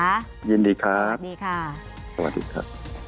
ยินดีครับสวัสดีครับสวัสดีครับสวัสดีครับสวัสดีครับ